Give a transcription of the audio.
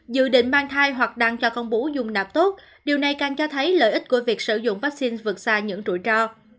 dự định mang thai hoặc đăng cho con bú dùng nạp tốt điều này càng cho thấy lợi ích của việc sử dụng vaccine vượt xa những rủi ro